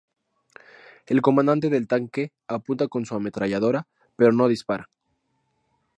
El comandante del tanque apunta con su ametralladora, pero no dispara.